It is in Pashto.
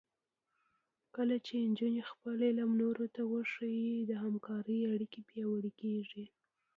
کله چې نجونې خپل علم نورو ته وښيي، همکارۍ اړیکې پیاوړې کېږي.